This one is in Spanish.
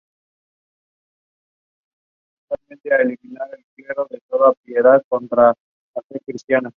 Una corona de laurel que circunda de sotuer y aspas.